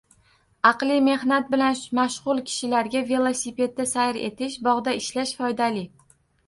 Aqliy mehnat bilan mashg‘ul kishilarga velosipedda sayr etish, bog‘da ishlash foydali.